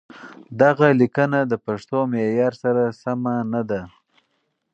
دغه ليکنه د پښتو معيار سره سمه نه ده.